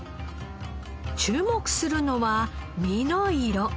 注目するのは身の色。